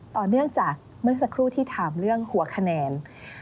ต่อเนื่องจากเมื่อสักครู่ที่ถามเรื่องหัวคะแนน